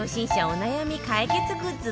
お悩み解決グッズ